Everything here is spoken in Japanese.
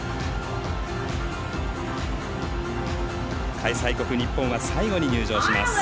開催国日本は最後に入場します。